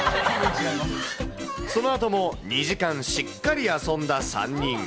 そのあとも、２時間しっかり遊んだ３人。